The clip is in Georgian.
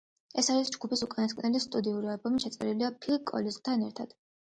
ეს არის ჯგუფის უკანასკნელი სტუდიური ალბომი, ჩაწერილი ფილ კოლინზთან ერთად.